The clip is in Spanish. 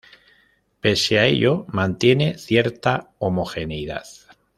Pese a ello, mantiene cierta homogeneidad.